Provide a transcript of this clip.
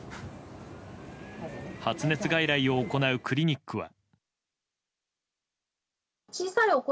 発熱外来を行うクリニックは。